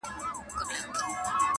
انصاف څه سو آسمانه زلزلې دي چي راځي!.